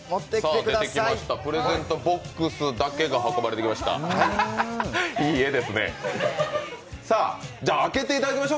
プレゼントボックスだけが運ばれてきました。